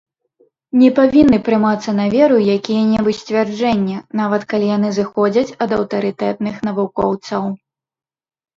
Не павінны прымацца на веру якія-небудзь сцвярджэнні, нават калі яны зыходзяць ад аўтарытэтных навукоўцаў.